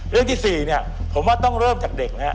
เรื่องที่๔เนี่ยผมว่าต้องเริ่มจากเด็กนะครับ